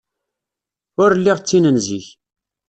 Ur lliɣ d tin n zik.